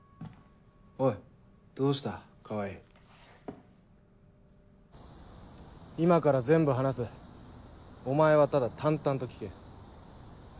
・おいどうした川合・今から全部話すお前はただ淡々と聞け。